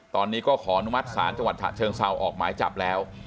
ตอนนี้ก็ขออนุมัติศาลจังหวัดฉะเชิงเซาออกหมายจับแล้ว